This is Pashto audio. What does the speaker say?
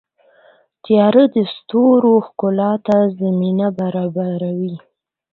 • تیاره د ستورو ښکلا ته زمینه برابروي.